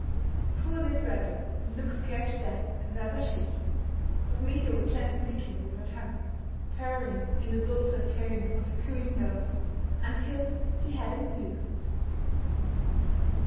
Poor little ratlet would look scared to death and rather shaky, but Maida would gently lick him with her tongue, purring in the dulcet tones of a cooing dove, until she had him soothed.